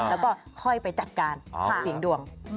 แล้วก็ค่อยไปจัดการเสียงดวง